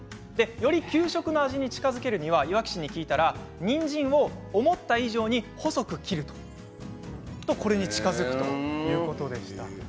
より給食の味に近づけるにはいわき市に聞いたらにんじんを思った以上に細く切るとこれに近づくということでした。